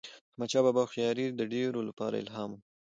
د احمدشاه بابا هوښیاري د ډیرو لپاره الهام و.